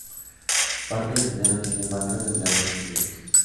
Parte del sendero tiene marcas regulares de senderos.